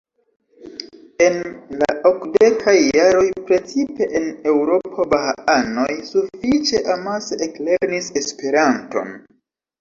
En la okdekaj jaroj precipe en Eŭropo bahaanoj sufiĉe amase eklernis Esperanton.